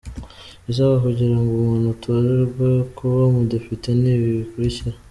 Ibisabwa kugira ngo umuntu atorerwe kuba Umudepite ni ibi bikurikira:.